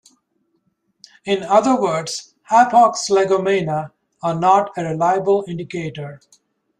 In other words, "hapax legomena" are not a reliable indicator.